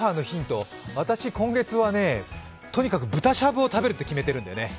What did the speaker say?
私、今月はとにかく豚しゃぶを食べるって決めてるんだよね。